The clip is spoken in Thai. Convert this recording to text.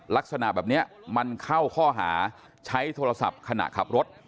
ลักษณะแบบนี้มันเข้าข้อหาใช้โทรศัพท์ขณะขับรถ